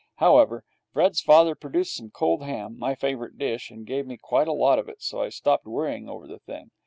However, Fred's father produced some cold ham my favourite dish and gave me quite a lot of it, so I stopped worrying over the thing.